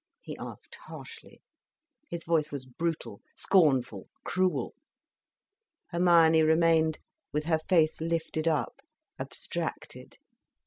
he asked harshly. His voice was brutal, scornful, cruel. Hermione remained with her face lifted up, abstracted.